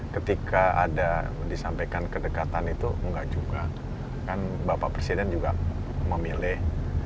ketika ada disampaikan kedekatan itu enggak juga kan bapak presiden juga memilih